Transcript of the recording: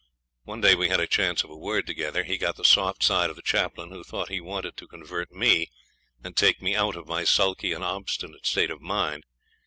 One day we had a chance of a word together. He got the soft side of the chaplain, who thought he wanted to convert me and take me out of my sulky and obstinate state of mind.